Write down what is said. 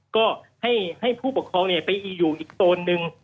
ก็ให้ผู้ปกครองไปอียูอีกโซนนึง